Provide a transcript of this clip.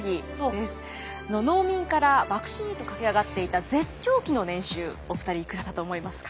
農民から幕臣へと駆け上がっていた絶頂期の年収お二人いくらだと思いますか？